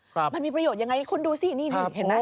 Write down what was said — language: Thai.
มันมีประโยชน์ยังไงคุณดูสินี่นี่เห็นไหม